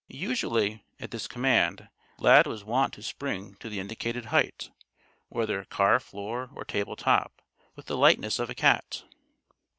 Usually, at this command, Lad was wont to spring to the indicated height whether car floor or table top with the lightness of a cat.